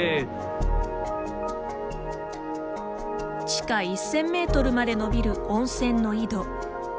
地下１０００メートルまで伸びる温泉の井戸。